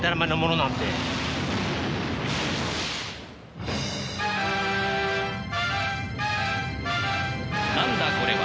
なんだこれは！